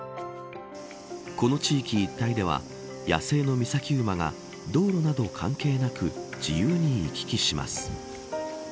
この地域一帯では野生の御崎馬が道路など関係なく自由に行き来します。